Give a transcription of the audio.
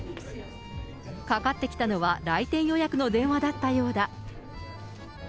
かかってきたのは来店予約の電話だったようだ。